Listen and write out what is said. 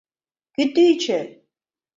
Кӱтӱчӧ!